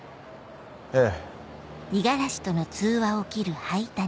ええ。